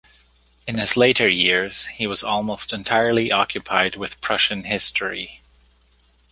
In his later years he was almost entirely occupied with Prussian history.